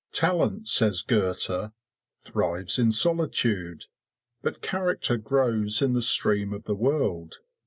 Talent, says Goethe, thrives in solitude, but character grows in the stream of the world.